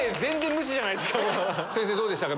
先生どうでしたか？